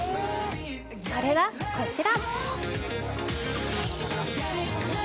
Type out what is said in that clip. それがこちら。